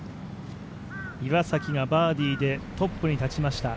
岩崎がバーディーでトップに立ちました。